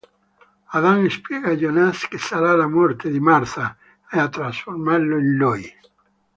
Adam spiega a Jonas che sarà la morte di Martha a trasformarlo in lui.